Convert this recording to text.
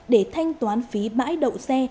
để thanh toán phí bãi đậu xe